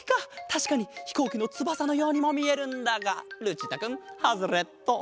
たしかにひこうきのつばさのようにもみえるんだがルチータくんハズレット！